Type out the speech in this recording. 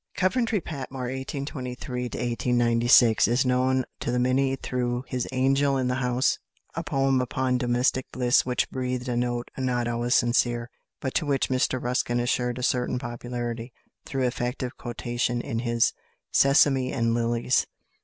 =Coventry Patmore (1823 1896)= is known to the many through his "Angel in the House," a poem upon domestic bliss which breathed a note not always sincere, but to which Mr Ruskin assured a certain popularity through effective quotation in his "Sesame and Lilies."